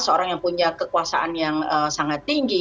seorang yang punya kekuasaan yang sangat tinggi